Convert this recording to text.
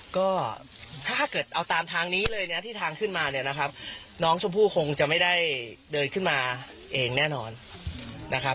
ก็ถ้าเกิดเอาตามทางนี้เลยนะที่ทางขึ้นมาเนี่ยนะครับน้องชมพู่คงจะไม่ได้เดินขึ้นมาเองแน่นอนนะครับ